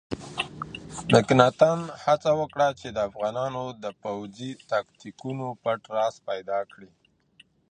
مکناتن هڅه وکړه چې د افغانانو د پوځي تاکتیکونو پټ راز پیدا کړي.